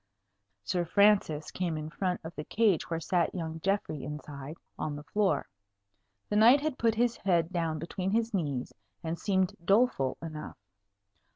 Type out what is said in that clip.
Sir Francis came in front of the cage where sat young Geoffrey inside, on the floor. The knight had put his head down between his knees, and seemed doleful enough.